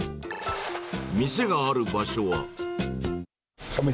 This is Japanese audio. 店がある場所は。